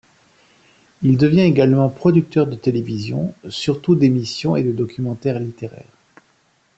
Il devient également producteur de télévision, surtout d'émissions et de documentaires littéraires.